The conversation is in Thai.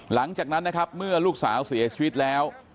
หลังจากนั้นนะครับเมื่อลูกสาวเสียชีวิตแล้ว